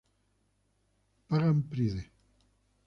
Pagan Pride.